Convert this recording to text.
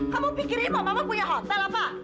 kamu pikirin mama mama punya hotel apa